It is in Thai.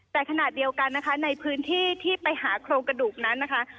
แต่ขณะเดียวกันนะคะในพื้นที่ที่ไปหาโครงกระดูกนั้นนะคะ